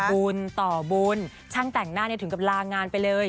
บุญต่อบุญช่างแต่งหน้าถึงกับลางานไปเลย